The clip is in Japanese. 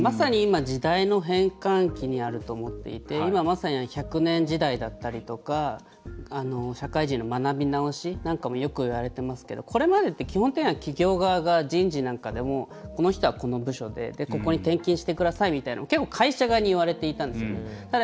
まさに今、時代の変換機にあると思っていて１００年時代だったりとか社会人の学び直しってよく言われてますけどこれまでは基本的に企業側が人事なんかでもこの人はこの部署ここに転勤してくださいって会社側に言われていたんですね。